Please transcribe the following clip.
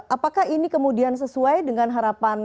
apakah ini kemudian sesuai dengan harapan